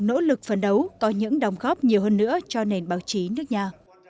nỗ lực phấn đấu có những đồng góp nhiều hơn nữa cho nền báo chí nước nhà